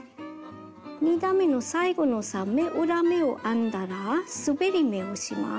２段めの最後の３目裏目を編んだらすべり目をします。